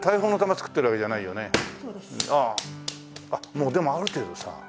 もうでもある程度。